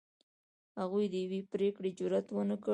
هغوی د یوې پرېکړې جرئت ونه کړ.